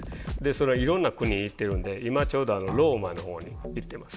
それはいろんな国へ行ってるんで今ちょうどローマのほうに行ってます。